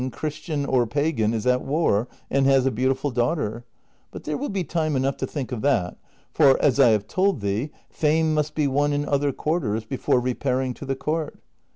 Christian or pagan, is at war and has a beautiful daughter ; but there will be time enough to think of that, for, as I have told thee, fame must be won in other quarters before repairing to the court.